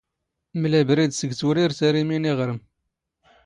ⵎⵍ ⴰⴱⵔⵉⴷ ⵙⴳ ⵜⵡⵔⵉⵔⵜ ⴰⵔ ⵉⵎⵉ ⵏ ⵉⵖⵔⵎ.